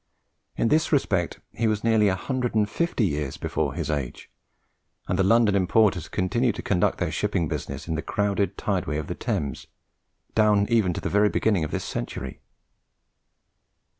In this respect he was nearly a hundred and fifty years before his age, and the London importers continued to conduct their shipping business in the crowded tideway of the Thames down even to the beginning of the present century.